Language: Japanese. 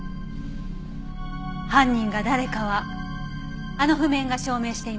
犯人が誰かはあの譜面が証明しています。